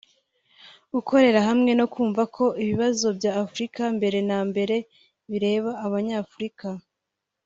gukorera hamwe no kumva ko ibibazo bya Afurika mbere na mbere bireba Abanyafurika